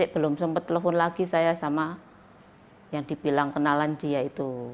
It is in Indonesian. belum sempat telepon lagi saya sama yang dibilang kenalan dia itu